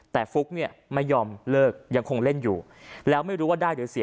แต่ฟุ๊กเนี่ยไม่ยอมเลิกยังคงเล่นอยู่แล้วไม่รู้ว่าได้หรือเสีย